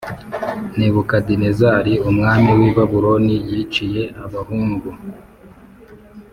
Nebukadinezari Umwami w i Babuloni yiciye abahungu